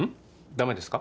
ダメですか？